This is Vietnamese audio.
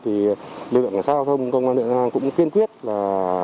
thì lực lượng cảnh sát giao thông công an luyện an cũng khuyên quyết là